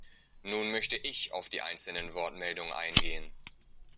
Nun möchte ich auf die einzelnen Wortmeldungen eingehen.